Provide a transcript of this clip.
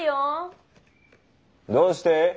どうして。